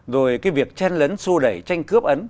rồi cái việc chen lấn sô đẩy tranh cướp ấn